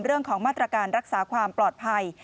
เรื่องของมาตรการรักษาความปลอดภัย